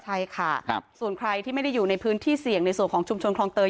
ใช่ค่ะส่วนใครที่ไม่ได้อยู่ในพื้นที่เสี่ยงในส่วนของชุมชนคลองเตย